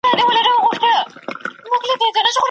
کورنۍ د ټولنې یو کوچنی واحد دی.